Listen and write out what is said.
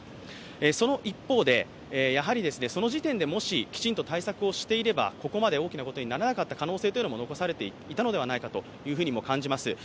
その一方で、その時点でもしきちんと対策をしていればここまで大きなことにならなかった可能性も残されていたのではないかとも感じます。